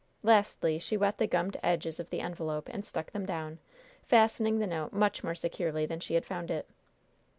Lastly, she wet the gummed edges of the envelope, and stuck them down, fastening the note much more securely than she had found it.